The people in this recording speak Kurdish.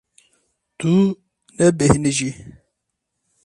Tu nebêhnijî.